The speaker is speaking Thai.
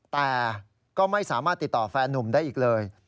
แต่ก็ไม่สามารถติดต่อแฟนนุ่มได้อีกเลย